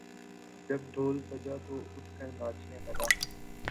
جب ڈھول بجا تو اٹھ کر ناچنے لگا